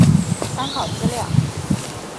参考资料